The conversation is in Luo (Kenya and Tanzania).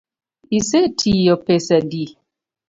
Isetiyo pesa adi?